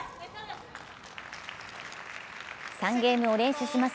３ゲームを連取します。